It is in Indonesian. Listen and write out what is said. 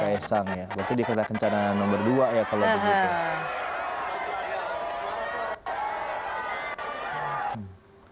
dari kaesang ya berarti di kereta kencananya nomor dua ya kalau begitu